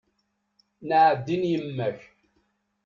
Naɛdin yemma-k!